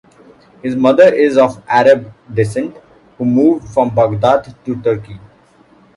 His mother is of Arab descent who moved from Baghdad to Turkey.